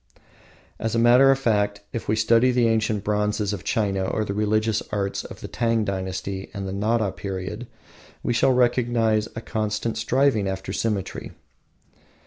As a matter of fact, if we study the ancient bronzes of China or the religious arts of the Tang dynasty and the Nara period, we shall recognize a constant striving after symmetry.